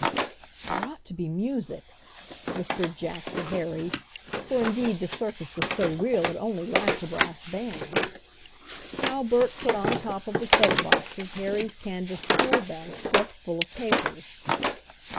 "There ought to be music," whispered Jack to Harry, for indeed the circus was so real it only lacked a brass band. Now Bert put on top of the soap boxes Harry's canvas schoolbag stuffed full of papers.